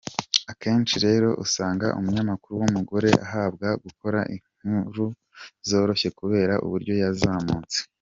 Akenshi rero usanga umunyamakuru w’umugore ahabwa gukora inkuru zoroshye kubera uburyo yazamutse.